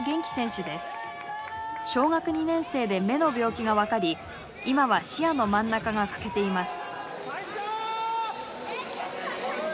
小学２年生で目の病気が分かり今は視野の真ん中が欠けています。